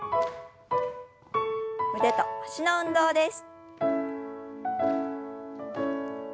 腕と脚の運動です。